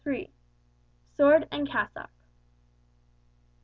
Sword and Cassock.